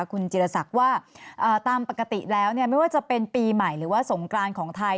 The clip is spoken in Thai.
คุณจิรษักว่าตามปกติแล้วไม่ว่าจะเป็นปีใหม่หรือว่าสงกรานของไทย